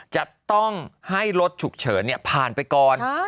จะต้องให้รถฉุกเฉินผ่านไปก่อน